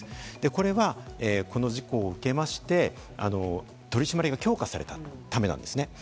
これはこの事故を受けまして、取り締まりが強化されたためなんですね。